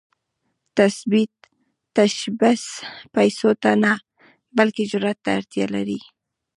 تشبث پيسو ته نه، بلکې جرئت ته اړتیا لري.